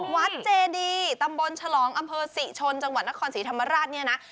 เจดีตำบลฉลองอำเภอศรีชนจังหวัดนครศรีธรรมราชเนี่ยนะ